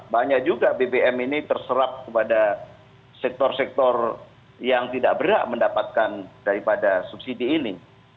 banyak juga bbm ini terserap kepada sektor sektor yang tidak berhak mendapatkan daripada subsidi ini